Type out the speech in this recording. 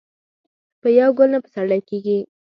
په یو ګل نه پسرلی کېږي